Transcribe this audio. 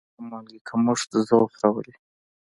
د مالګې کمښت ضعف راولي.